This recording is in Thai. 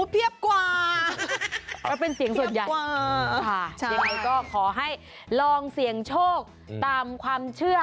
เพราะเป็นเสียงส่วนใหญ่ใช่ค่ะแล้วก็ขอให้ลองเสี่ยงโชคตามความเชื่อ